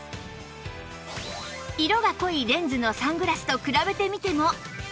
色が濃いレンズのサングラスと比べてみても